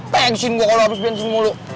pension gue kalau abis bensin mulu